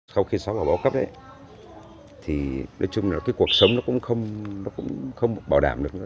sau khi xóa bỏ bỏ cấp đấy thì đối chung là cuộc sống nó cũng không bảo đảm được nữa